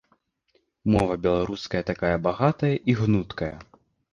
Мова беларуская такая багатая і гнуткая.